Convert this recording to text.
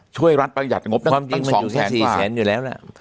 ช่วยรัฐประหยัดงบตั้ง๒๐๐๐๐กว่า